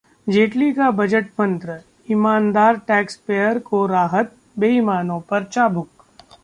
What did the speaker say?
जेटली का बजट मंत्र: ईमानदार टैक्स पेयर को राहत, बेइमानों पर चाबुक